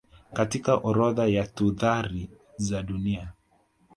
katika orodha ya tuthari za dunia